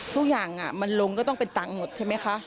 ทุกอย่างมันลงก็ต้องเป็นตังค์หมดใช่ไหมคะ